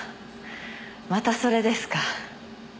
またそれですか。